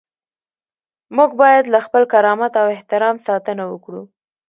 موږ باید له خپل کرامت او احترام ساتنه وکړو.